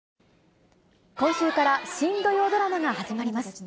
今週から新土曜ドラマが始まります。